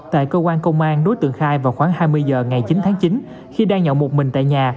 tại cơ quan công an đối tượng khai vào khoảng hai mươi giờ ngày chín tháng chín khi đang nhậu một mình tại nhà